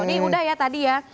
ini udah ya tadi ya